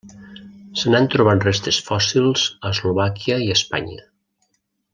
Se n'han trobat restes fòssils a Eslovàquia i Espanya.